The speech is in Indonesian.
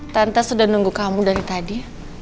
tante sudah nunggu kamu dari tadi